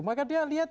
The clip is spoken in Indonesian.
maka dia lihat